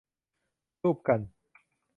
รูปกัน